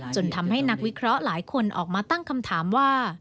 จนทำให้นักวิเคราะห์หลายคนออกมาตั้งคำถามว่า